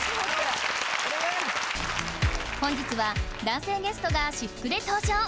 本日は男性ゲストが私服で登場！